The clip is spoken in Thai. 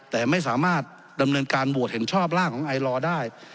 แต่ไม่สามารถดำเนินการโหวตเห็นชอบร่างของไอลอได้